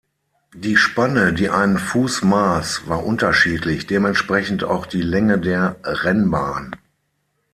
Die Spanne, die einen Fuß maß, war unterschiedlich, dementsprechend auch die Länge der Rennbahn.